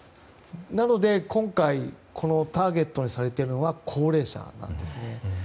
なので、今回ターゲットにされているのが高齢者なんですね。